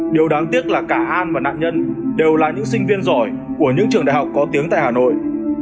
điều đáng tiếc là cả an và nạn nhân đều là những sinh viên giỏi của những trường đại học có tiếng tại hà nội